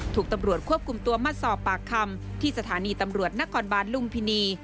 ถูกตำรวจควบคุมตัวมาสอบปากคำที่สถานีตำรวจนครบานลุมพินี